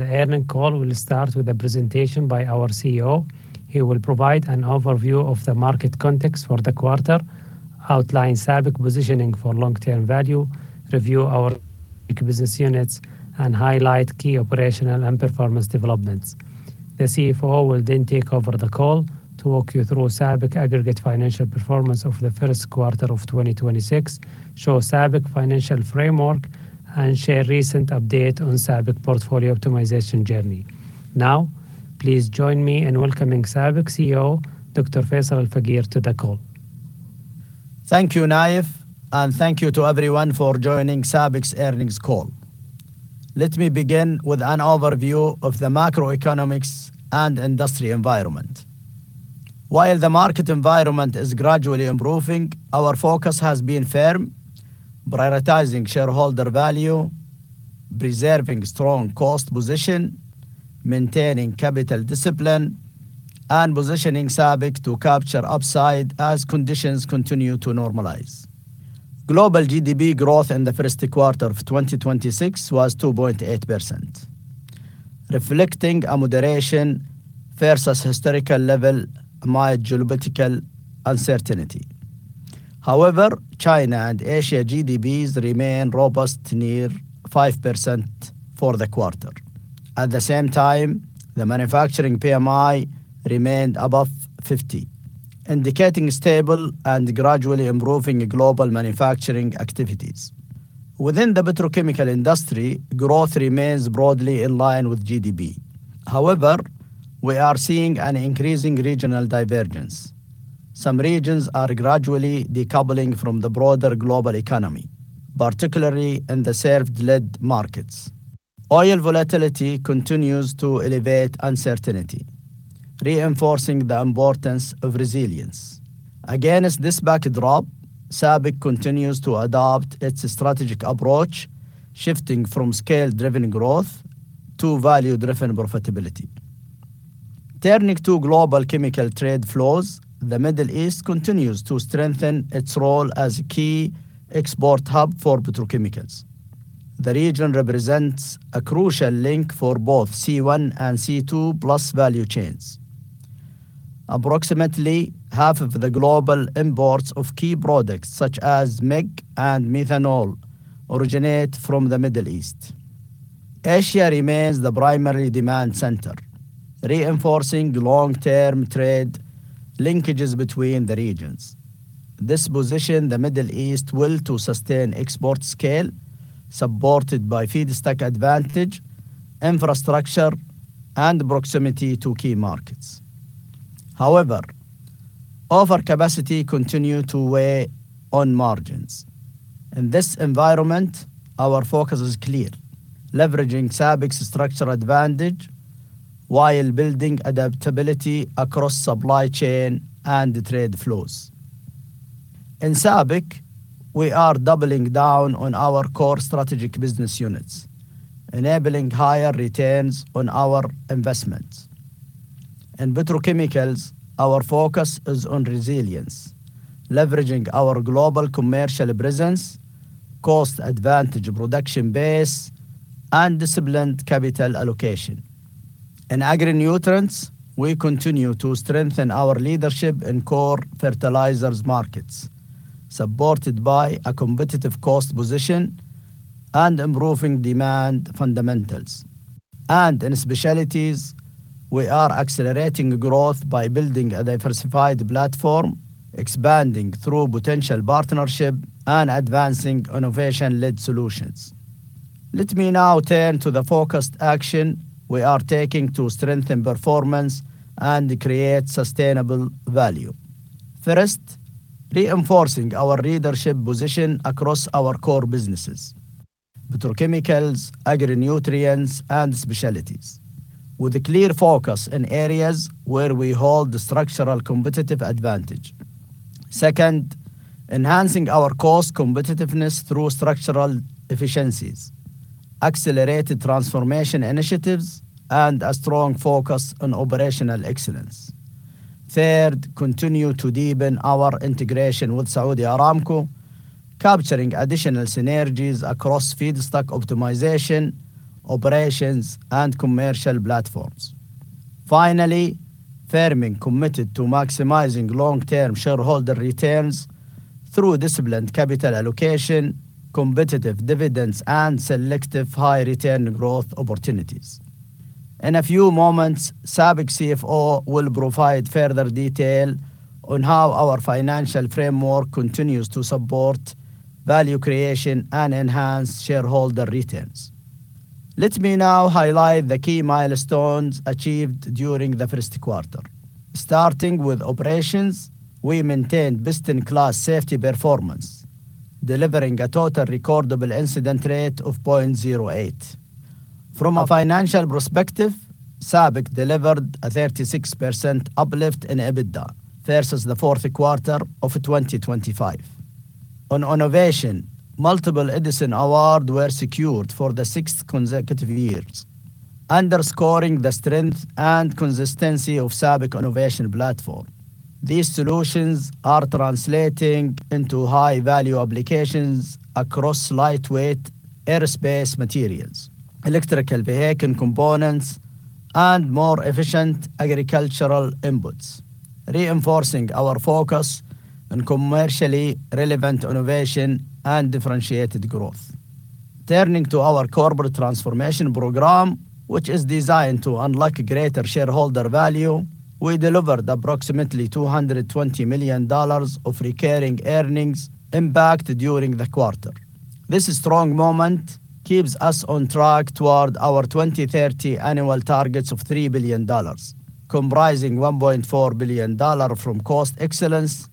The earnings call will start with a presentation by our CEO. He will provide an overview of the market context for the quarter, outline SABIC positioning for long-term value, review our business units, and highlight key operational and performance developments. The CFO will then take over the call to walk you through SABIC aggregate financial performance of the first quarter of 2026, show SABIC financial framework, and share recent update on SABIC portfolio optimization journey. Please join me in welcoming SABIC CEO, Dr. Faisal Alfaqeer to the call. Thank you, Naif, and thank you to everyone for joining SABIC's earnings call. Let me begin with an overview of the macroeconomics and industry environment. While the market environment is gradually improving, our focus has been firm, prioritizing shareholder value, preserving strong cost position, maintaining capital discipline, and positioning SABIC to capture upside as conditions continue to normalize. Global GDP growth in the first quarter of 2026 was 2.8%, reflecting a moderation versus historical level amid geopolitical uncertainty. China and Asia GDPs remain robust near 5% for the quarter. At the same time, the manufacturing PMI remained above 50, indicating stable and gradually improving global manufacturing activities. Within the petrochemical industry, growth remains broadly in line with GDP. We are seeing an increasing regional divergence. Some regions are gradually decoupling from the broader global economy, particularly in the served-led markets. Oil volatility continues to elevate uncertainty, reinforcing the importance of resilience. Against this backdrop, SABIC continues to adopt its strategic approach, shifting from scale-driven growth to value-driven profitability. Turning to global chemical trade flows, the Middle East continues to strengthen its role as a key export hub for petrochemicals. The region represents a crucial link for both C1 and C2+ value chains. Approximately half of the global imports of key products such as MEG and methanol originate from the Middle East. Asia remains the primary demand center, reinforcing long-term trade linkages between the regions. This position the Middle East will to sustain export scale supported by feedstock advantage, infrastructure, and proximity to key markets. However, overcapacity continue to weigh on margins. In this environment, our focus is clear: leveraging SABIC's structural advantage while building adaptability across supply chain and trade flows. In SABIC, we are doubling down on our core strategic business units, enabling higher returns on our investments. In Petrochemicals, our focus is on resilience, leveraging our global commercial presence, cost advantage production base, and disciplined capital allocation. In Agri-Nutrients, we continue to strengthen our leadership in core fertilizers markets, supported by a competitive cost position and improving demand fundamentals. In Specialties, we are accelerating growth by building a diversified platform, expanding through potential partnership, and advancing innovation-led solutions. Let me now turn to the focused action we are taking to strengthen performance and create sustainable value. First, reinforcing our leadership position across our core businesses: Petrochemicals, Agri-Nutrients, and Specialties with a clear focus in areas where we hold structural competitive advantage. Second, enhancing our cost competitiveness through structural efficiencies, accelerated transformation initiatives, and a strong focus on operational excellence. Third, continue to deepen our integration with Saudi Aramco, capturing additional synergies across feedstock optimization, operations, and commercial platforms. Finally, firmly committed to maximizing long-term shareholder returns through disciplined capital allocation, competitive dividends, and selective high-return growth opportunities. In a few moments, SABIC CFO will provide further detail on how our financial framework continues to support value creation and enhance shareholder returns. Let me now highlight the key milestones achieved during the first quarter. Starting with operations, we maintained best-in-class safety performance, delivering a Total Recordable Incident Rate of 0.08. From a financial perspective, SABIC delivered a 36% uplift in EBITDA versus the fourth quarter of 2025. On innovation, multiple Edison Awards were secured for the sixth consecutive years, underscoring the strength and consistency of SABIC innovation platform. These solutions are translating into high-value applications across lightweight aerospace materials, electrical vehicle components, and more efficient agricultural inputs, reinforcing our focus on commercially relevant innovation and differentiated growth. Turning to our corporate transformation program, which is designed to unlock greater shareholder value, we delivered approximately $220 million of recurring earnings impact during the quarter. This strong moment keeps us on track toward our 2030 annual targets of $3 billion, comprising $1.4 billion from cost excellence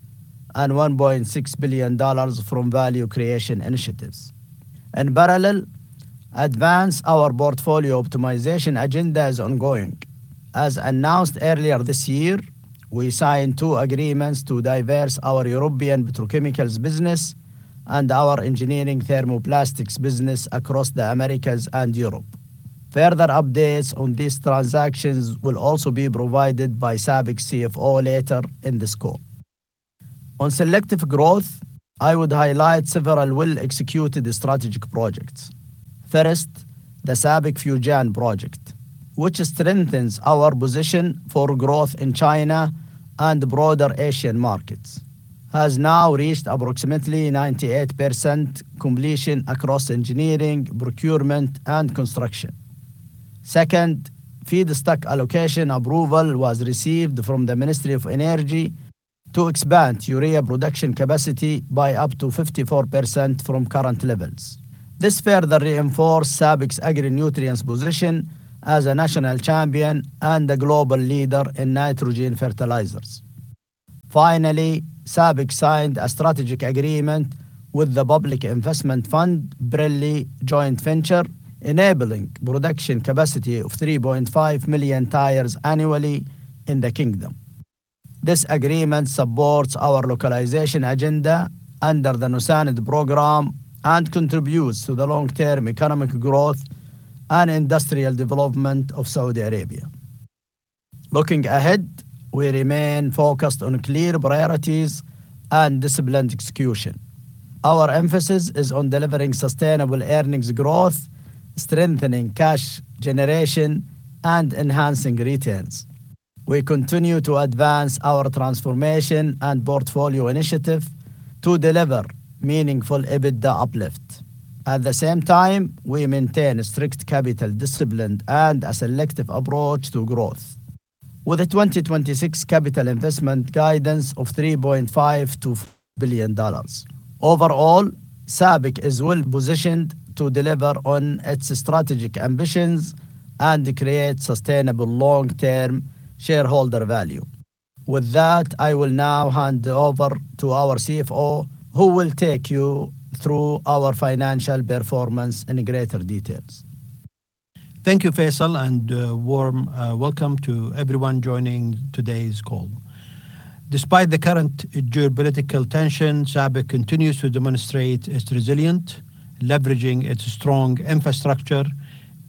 and $1.6 billion from value creation initiatives. In parallel, advance our portfolio optimization agenda is ongoing. As announced earlier this year, we signed two agreements to divest our European Petrochemicals business and our Engineering Thermoplastics business across the Americas and Europe. Further updates on these transactions will also be provided by SABIC CFO later in this call. On selective growth, I would highlight several well-executed strategic projects. First, the SABIC Fujian project, which strengthens our position for growth in China and broader Asian markets, has now reached approximately 98% completion across engineering, procurement, and construction. Second, feedstock allocation approval was received from the Ministry of Energy to expand urea production capacity by up to 54% from current levels. This further reinforces SABIC Agri-Nutrients position as a national champion and a global leader in nitrogen fertilizers. Finally, SABIC signed a strategic agreement with the Public Investment Fund, Pirelli joint venture, enabling production capacity of 3.5 million tires annually in the Kingdom. This agreement supports our localization agenda under the Nusaned program and contributes to the long-term economic growth and industrial development of Saudi Arabia. Looking ahead, we remain focused on clear priorities and disciplined execution. Our emphasis is on delivering sustainable earnings growth, strengthening cash generation, and enhancing returns. We continue to advance our transformation and portfolio initiative to deliver meaningful EBITDA uplift. At the same time, we maintain strict capital discipline and a selective approach to growth with a 2026 capital investment guidance of $3.5 billion-$4 billion. Overall, SABIC is well positioned to deliver on its strategic ambitions and create sustainable long-term shareholder value. With that, I will now hand over to our CFO, who will take you through our financial performance in greater detail. Thank you, Faisal, and warm welcome to everyone joining today's call. Despite the current geopolitical tensions, SABIC continues to demonstrate its resilient, leveraging its strong infrastructure,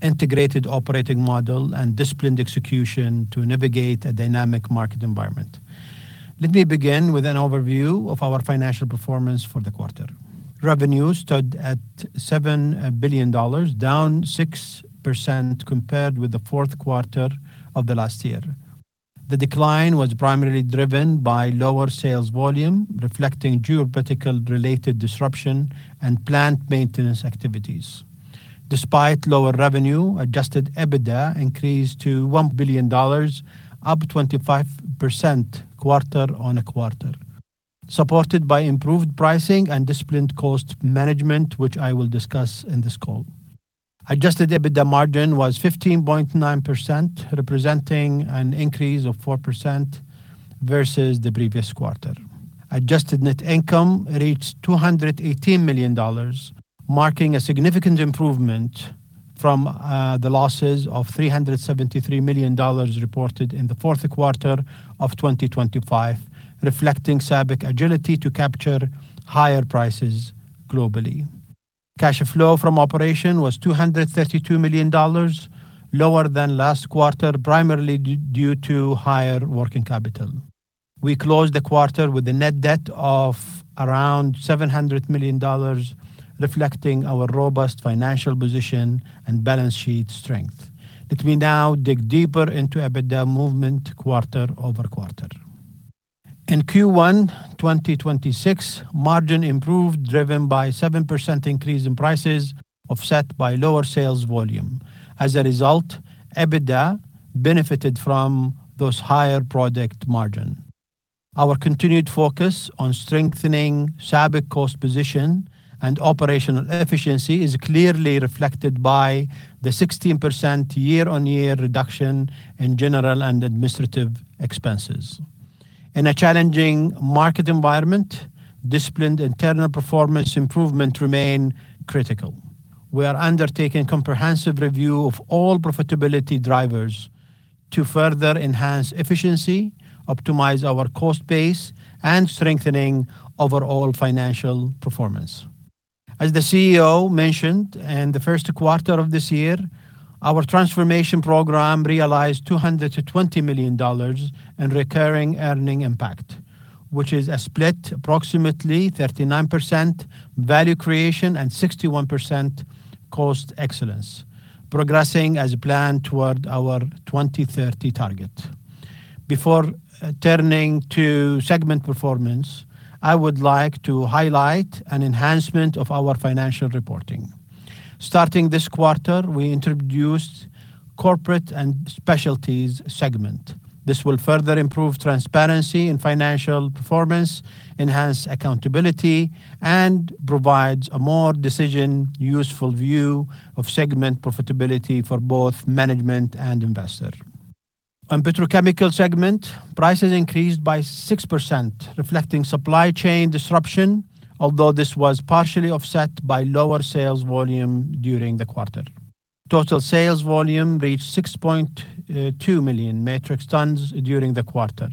integrated operating model, and disciplined execution to navigate a dynamic market environment. Let me begin with an overview of our financial performance for the quarter. Revenue stood at $7 billion, down 6% compared with the fourth quarter of the last year. The decline was primarily driven by lower sales volume, reflecting geopolitical-related disruption and plant maintenance activities. Despite lower revenue, adjusted EBITDA increased to $1 billion, up 25% quarter-on-quarter, supported by improved pricing and disciplined cost management, which I will discuss in this call. Adjusted EBITDA margin was 15.9%, representing an increase of 4% versus the previous quarter. Adjusted net income reached $218 million, marking a significant improvement from the losses of $373 million reported in the fourth quarter of 2025, reflecting SABIC agility to capture higher prices globally. Cash flow from operation was $232 million, lower than last quarter, primarily due to higher working capital. We closed the quarter with a net debt of around $700 million, reflecting our robust financial position and balance sheet strength. Let me now dig deeper into EBITDA movement quarter-over-quarter. In Q1 2026, margin improved, driven by 7% increase in prices, offset by lower sales volume. As a result, EBITDA benefited from those higher product margin. Our continued focus on strengthening SABIC cost position and operational efficiency is clearly reflected by the 16% year-on-year reduction in general and administrative expenses. In a challenging market environment, disciplined internal performance improvement remain critical. We are undertaking comprehensive review of all profitability drivers to further enhance efficiency, optimize our cost base, and strengthening overall financial performance. As the CEO mentioned, in the first quarter of this year, our transformation program realized $220 million in recurring earning impact, which is a split approximately 39% value creation and 61% cost excellence, progressing as planned toward our 2030 target. Before turning to segment performance, I would like to highlight an enhancement of our financial reporting. Starting this quarter, we introduced Corporate and Specialties segment. This will further improve transparency and financial performance, enhance accountability, and provides a more decision useful view of segment profitability for both management and investor. On Petrochemical segment, prices increased by 6%, reflecting supply chain disruption, although this was partially offset by lower sales volume during the quarter. Total sales volume reached 6.2 million metric tons during the quarter.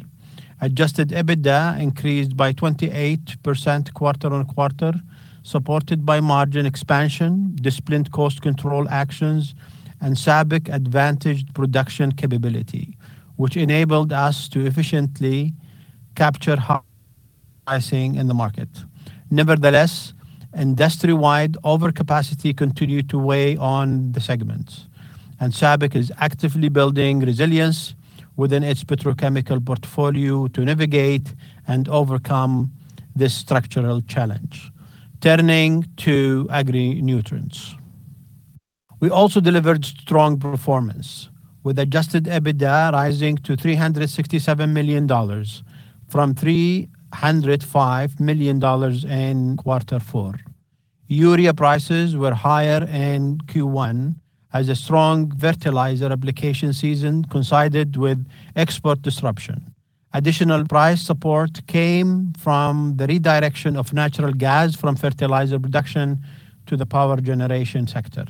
Adjusted EBITDA increased by 28% quarter-on-quarter, supported by margin expansion, disciplined cost control actions, and SABIC advantaged production capability, which enabled us to efficiently capture high pricing in the market. Nevertheless, industry-wide overcapacity continued to weigh on the segments, and SABIC is actively building resilience within its petrochemical portfolio to navigate and overcome this structural challenge. Turning to Agri-Nutrients. We also delivered strong performance with adjusted EBITDA rising to $367 million from $305 million in Q4. urea prices were higher in Q1 as a strong fertilizer application season coincided with export disruption. Additional price support came from the redirection of natural gas from fertilizer production to the power generation sector.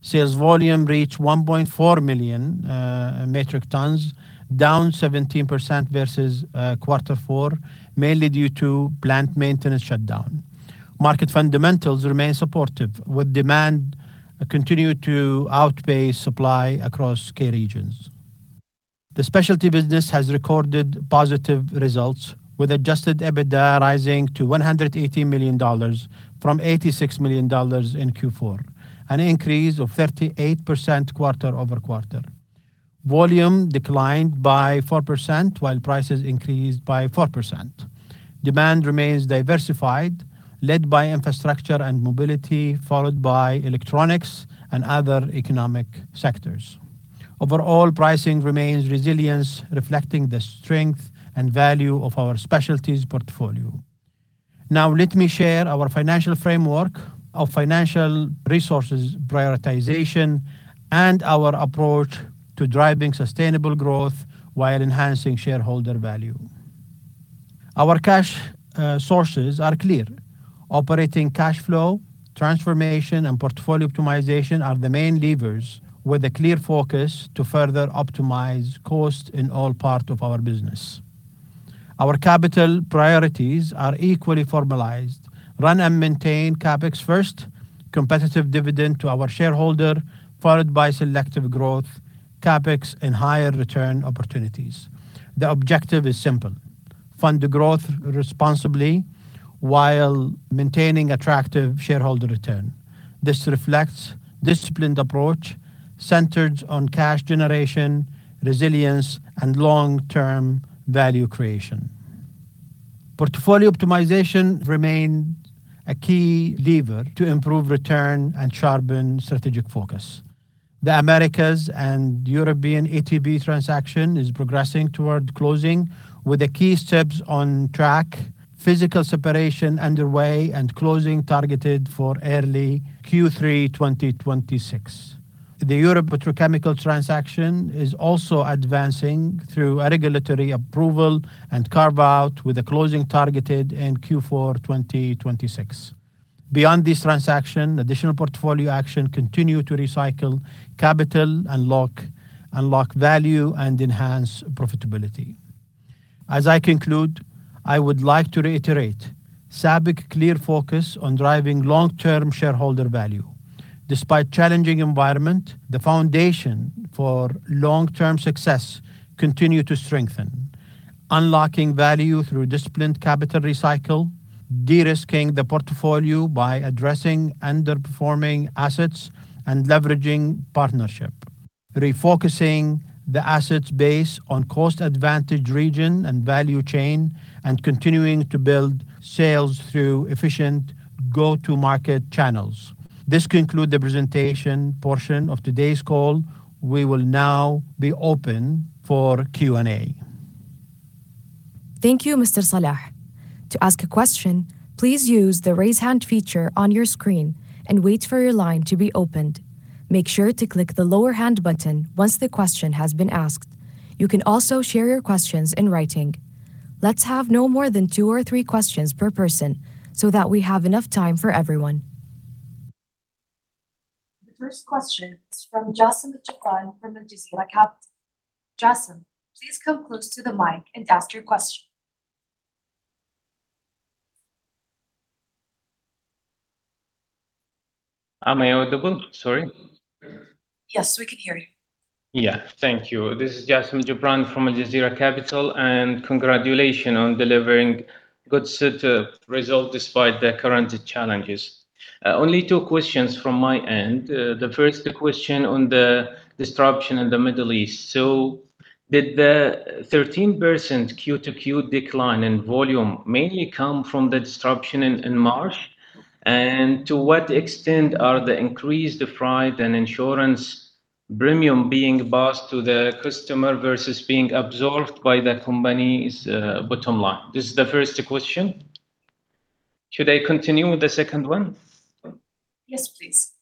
Sales volume reached 1.4 million metric tons, down 17% versus quarter four, mainly due to plant maintenance shutdown. Market fundamentals remain supportive with demand continue to outpace supply across key regions. The Specialty business has recorded positive results with adjusted EBITDA rising to $180 million from $86 million in Q4, an increase of 38% quarter-over-quarter. Volume declined by 4% while prices increased by 4%. Demand remains diversified, led by infrastructure and mobility, followed by electronics and other economic sectors. Overall pricing remains resilience, reflecting the strength and value of our Specialties portfolio. Let me share our financial framework of financial resources prioritization and our approach to driving sustainable growth while enhancing shareholder value. Our cash sources are clear. Operating cash flow, transformation, and portfolio optimization are the main levers with a clear focus to further optimize cost in all parts of our business. Our capital priorities are equally formalized. Run and maintain CapEx first, competitive dividend to our shareholder, followed by selective growth, CapEx, and higher return opportunities. The objective is simple: Fund the growth responsibly while maintaining attractive shareholder return. This reflects disciplined approach centered on cash generation, resilience, and long-term value creation. Portfolio optimization remained a key lever to improve return and sharpen strategic focus. The Americas and European ETP transaction is progressing toward closing with the key steps on track, physical separation underway, and closing targeted for early Q3 2026. The Europe Petrochemical transaction is also advancing through a regulatory approval and carve-out with the closing targeted in Q4 2026. Beyond this transaction, additional portfolio action continue to recycle capital, unlock value, and enhance profitability. As I conclude, I would like to reiterate SABIC clear focus on driving long-term shareholder value. Despite challenging environment, the foundation for long-term success continue to strengthen, unlocking value through disciplined capital recycle, de-risking the portfolio by addressing underperforming assets and leveraging partnership, refocusing the assets base on cost advantage region and value chain, and continuing to build sales through efficient go-to-market channels. This conclude the presentation portion of today's call. We will now be open for Q&A. Thank you, Mr. Salah. To ask a question, please use the raise hand feature on your screen and wait for your line to be opened. Make sure to click the lower hand button once the question has been asked. You can also share your questions in writing. Let's have no more than two or three questions per person so that we have enough time for everyone. The first question is from Jassim AlJubran from AlJazira Capital. Jassim, please come close to the mic and ask your question. Am I audible? Sorry. Yes, we can hear you. Yeah. Thank you. This is Jassim AlJubran from AlJazira Capital, and congratulation on delivering good result despite the current challenges. Only two questions from my end. The first question on the disruption in the Middle East. Did the 13% QoQ decline in volume mainly come from the disruption in March? To what extent are the increased freight and insurance premium being passed to the customer versus being absorbed by the company's bottom line? This is the first question. Should I continue with the second one? Yes, please.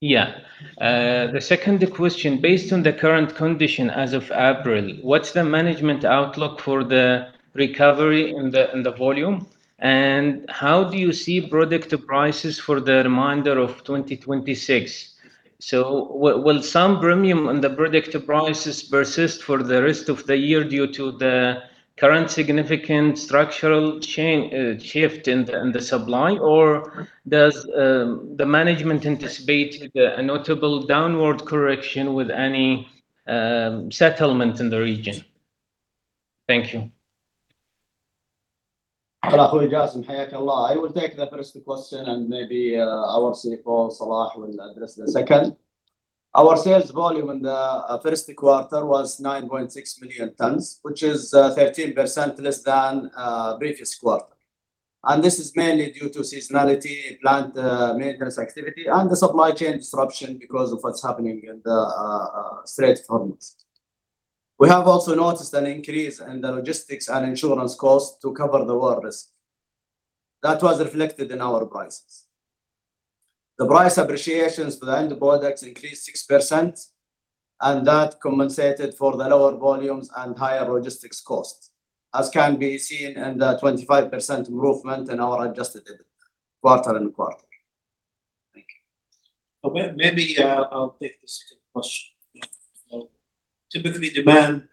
Yeah. The second question. Based on the current condition as of April, what's the management outlook for the recovery in the volume? How do you see product prices for the remainder of 2026? Will some premium on the product prices persist for the rest of the year due to the current significant structural shift in the supply, or does the management anticipate a notable downward correction with any settlement in the region? Thank you. Hello, Jassim AlJubran. I will take the first question and maybe our CFO, Salah, will address the second. Our sales volume in the first quarter was 9.6 million tons, which is 13% less than previous quarter. This is mainly due to seasonality, plant maintenance activity, and the supply chain disruption because of what's happening in the Strait of Hormuz. We have also noticed an increase in the logistics and insurance cost to cover the war risk. That was reflected in our prices. The price appreciations for the end products increased 6%, that compensated for the lower volumes and higher logistics costs, as can be seen in the 25% improvement in our adjusted EBITDA quarter-on-quarter. Maybe, I'll take the second question. Typically, demand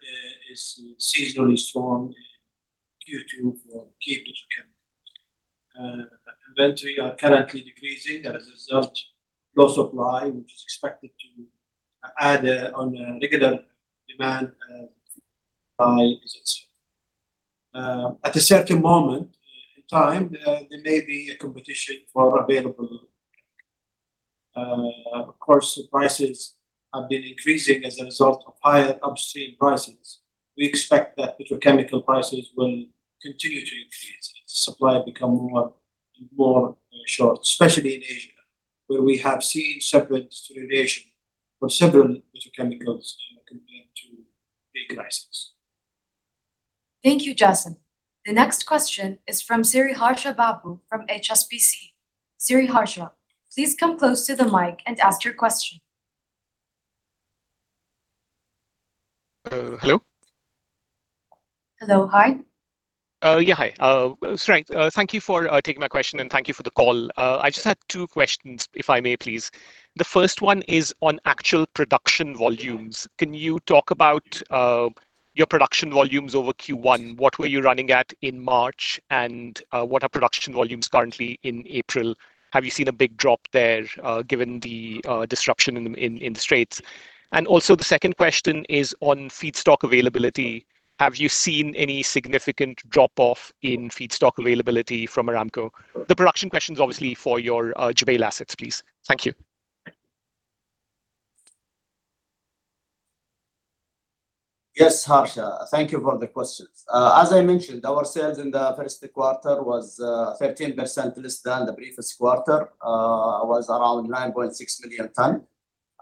is seasonally strong in Q2 for key petrochemical. Inventory are currently decreasing. As a result, low supply, which is expected on a regular demand, by visits. At a certain moment in time, there may be a competition for available volume. Of course, prices have been increasing as a result of higher upstream prices. We expect that petrochemical prices will continue to increase as supply become more short, especially in Asia, where we have seen separate situation for several petrochemicals compared to the crisis. Thank you, Jassim. The next question is from Sriharsha Pappu from HSBC. Sriharsha, please come close to the mic and ask your question. Hello? Hello. Hi. Yeah. Hi. Sorry. Thank you for taking my question, and thank you for the call. I just had two questions, if I may please. The first one is on actual production volumes. Can you talk about your production volumes over Q1? What were you running at in March, and what are production volumes currently in April? Have you seen a big drop there, given the destruction in the Straits? Also the second question is on feedstock availability. Have you seen any significant drop-off in feedstock availability from Aramco? The production question's obviously for your Jubail assets, please. Thank you. Yes, Sriharsha. Thank you for the questions. As I mentioned, our sales in the first quarter was 13% less than the previous quarter, was around 9.6 million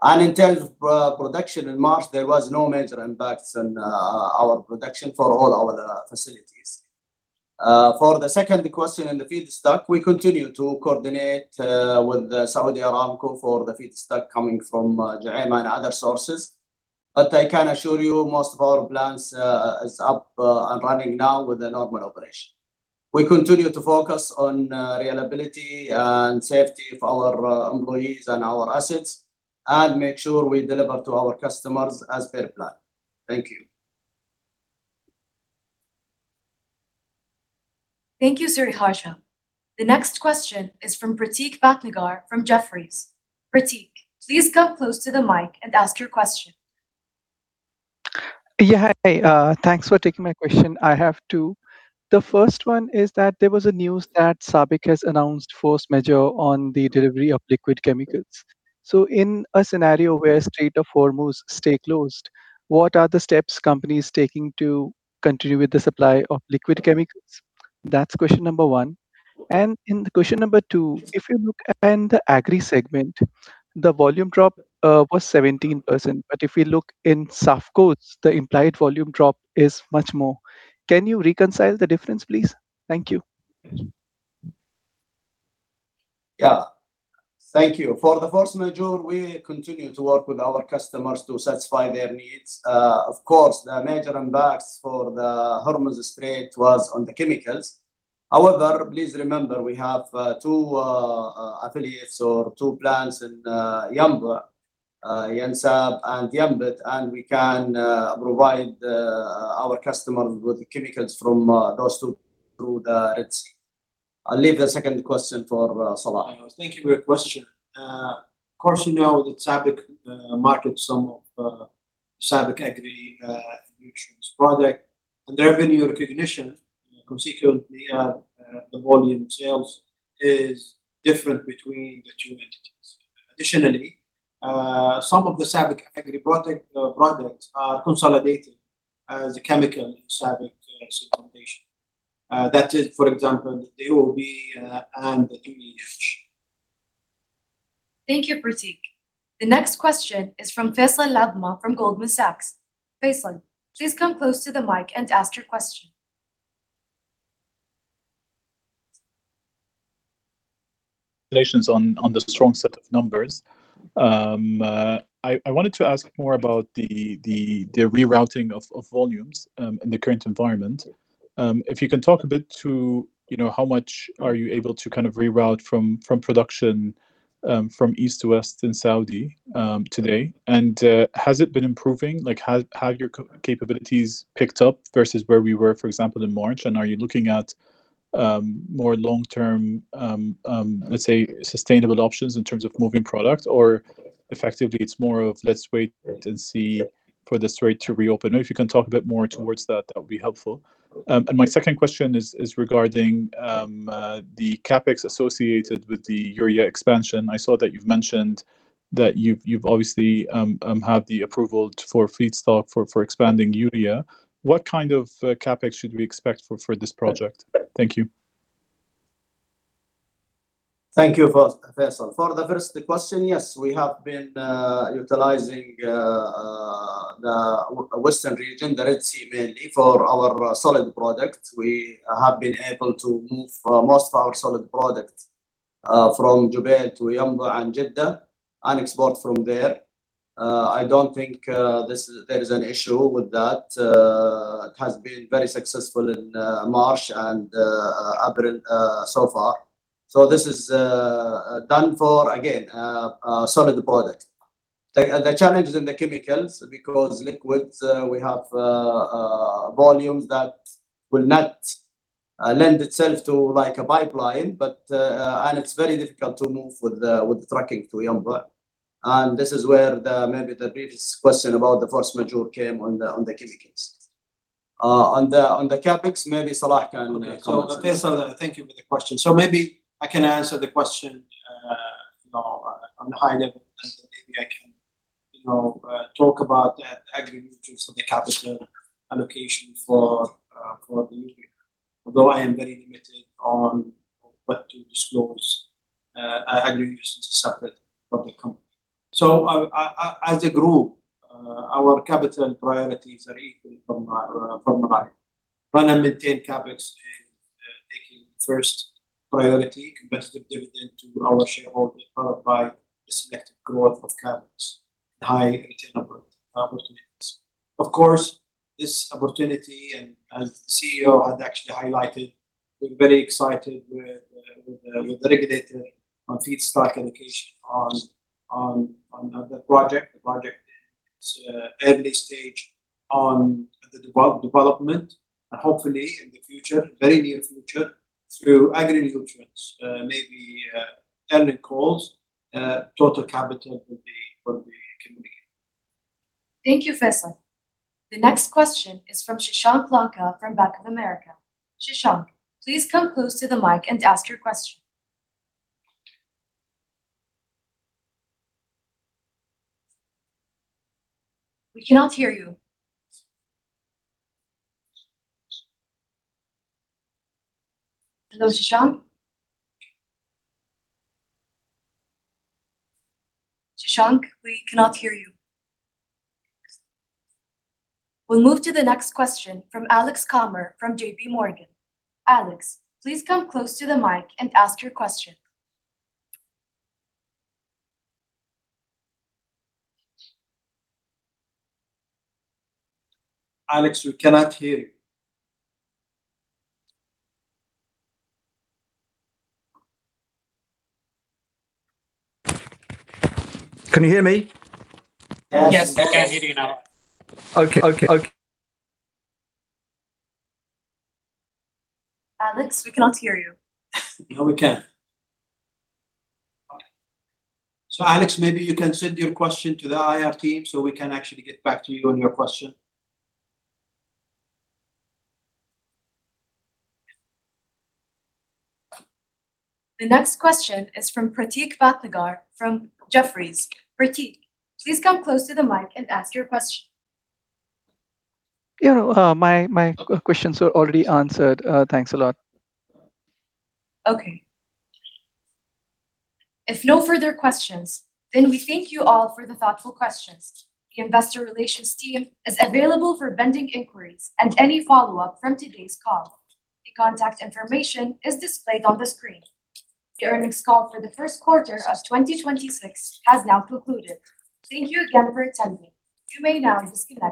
tons. In terms of production in March, there was no major impacts in our production for all our facilities. For the second question in the feedstock, we continue to coordinate with Saudi Aramco for the feedstock coming from Ju'aymah and other sources. I can assure you most of our plants is up and running now with a normal operation. We continue to focus on reliability and safety of our employees and our assets and make sure we deliver to our customers as per plan. Thank you. Thank you, Sriharsha. The next question is from Prateek Bhatnagar from Jefferies. Prateek, please come close to the mic and ask your question. Yeah. Hi. Thanks for taking my question. I have two. The first one is that there was a news that SABIC has announced force majeure on the delivery of liquid chemicals. In a scenario where Strait of Hormuz stay closed, what are the steps company's taking to continue with the supply of liquid chemicals? That's question number one. In the question number two, if you look at in the Agri segment, the volume drop was 17%, but if you look in SAFCO, the implied volume drop is much more. Can you reconcile the difference, please? Thank you. Yeah. Thank you. For the force majeure, we continue to work with our customers to satisfy their needs. Of course, the major impacts for the Hormuz Strait was on the chemicals. Please remember we have two affiliates or two plants in Yanbu, Yansab and Yanpet. We can provide our customer with the chemicals from those two through the Red Sea. I'll leave the second question for Salah. Thank you for your question. Of course you know that SABIC markets some of SABIC Agri-Nutrients product. Their revenue recognition consequently, the volume sales is different between the two entities. Additionally, some of the SABIC Agri-Nutrients products are consolidated as a chemical SABIC solution. That is, for example, the DOP and the 2-EH. Thank you, Prateek. The next question is from Faisal AlAzmeh from Goldman Sachs. Faisal, please come close to the mic and ask your question. Relations on the strong set of numbers. I wanted to ask more about the rerouting of volumes in the current environment. If you can talk a bit to, you know, how much are you able to kind of reroute from production from east to west in Saudi today? Has it been improving? Like how are your capabilities picked up versus where we were, for example, in March? Are you looking at more long-term, let's say sustainable options in terms of moving product? Or effectively it's more of let's wait and see for the Strait to reopen? If you can talk a bit more towards that would be helpful. My second question is regarding the CapEx associated with the urea expansion. I saw that you've mentioned that you've obviously have the approval for feedstock for expanding urea. What kind of CapEx should we expect for this project? Thank you. Thank you, Faisal. For the first question, yes, we have been utilizing the western region, the Red Sea mainly for our solid product. We have been able to move most of our solid product from Jubail to Yanbu and Jeddah, and export from there. I don't think there is an issue with that. It has been very successful in March and April so far. This is done for, again, solid product. The challenge is in the chemicals because liquids, we have volumes that will not lend itself to like a pipeline, but, and it's very difficult to move with trucking to Yanbu. This is where maybe the previous question about the force majeure came on the chemicals. On the CapEx, maybe Salah can comment on that. Faisal AlAzmeh, thank you for the question. Maybe I can answer the question, you know, on a high level and maybe I can, you know, talk about the SABIC Agri-Nutrients and the capital allocation for the year. Although I am very limited on what to disclose, SABIC Agri-Nutrients is a separate public company. As a group, our capital priorities are equal from high. Run and maintain CapEx in taking first priority competitive dividend to our shareholder, followed by the selective growth of CapEx and high return of opportunities. Of course, this opportunity and as CEO had actually highlighted, we're very excited with the regulator on feedstock allocation on the project. The project is early stage on the development. Hopefully in the future, very near future, through Agri Nutrients, maybe, earning calls, total capital will be communicated. Thank you, Faisal. The next question is from Sashank Lanka from Bank of America. Sashank, please come close to the mic and ask your question. We cannot hear you. Hello, Sashank? Sashank, we cannot hear you. We'll move to the next question from Alex Comer from JPMorgan. Alex, please come close to the mic and ask your question. Alex, we cannot hear you. Can you hear me? Yes, we can hear you now. Okay, okay. Alex, we cannot hear you. Now we can. Alex, maybe you can send your question to the IR team so we can actually get back to you on your question. The next question is from Prateek Bhatnagar from Jefferies. Prateek, please come close to the mic and ask your question. Yeah, my questions are already answered. Thanks a lot. Okay. If no further questions, we thank you all for the thoughtful questions. The investor relations team is available for pending inquiries and any follow-up from today's call. The contact information is displayed on the screen. The earnings call for the first quarter of 2026 has now concluded. Thank you again for attending. You may now disconnect.